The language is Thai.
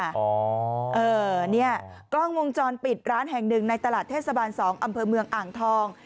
อ๋อเนี่ยกล้องวงจรปิดร้านแห่งหนึ่งในตลาดเทศบาล๒อำเภอเมืองอ่างทอง